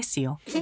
え！